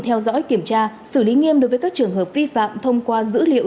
theo dõi kiểm tra xử lý nghiêm đối với các trường hợp vi phạm thông qua dữ liệu